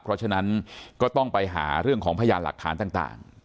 เพราะฉะนั้นก็ต้องไปหาเรื่องของพยานหลักฐานต่าง